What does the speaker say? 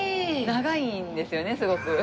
長いんですよねすごく。